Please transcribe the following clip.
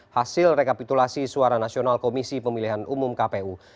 hasil rekapitulasi suara nasional komisi pemilihan umum kpu